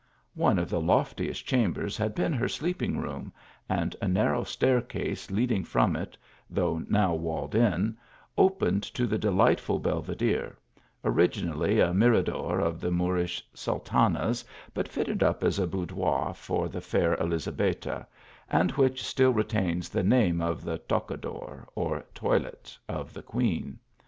THE AUTHOR 8 CHAMBER. 61 One of the loftiest chambers had been her sleeping room, and a narrow staircase leading from it, though now walled up, opened to the delightful belvedere, originally a mirador of the Moorish sultanas, but fit ted up as a boudoir for the fair Elizabetta, and which still retains the name of the Tocador, or toilette of the queen.